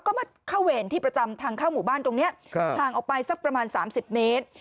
ก็มาเข้าเวรที่ประจำทางเข้าหมู่บ้านตรงนี้ห่างออกไปสักประมาณ๓๐เมตร